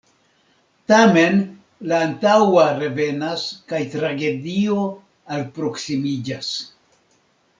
Tamen la antaŭa revenas kaj tragedio alproksimiĝas.